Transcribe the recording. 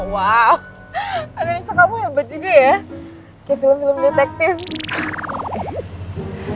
wow ada yang suka kamu hebat juga ya kayak film film detektif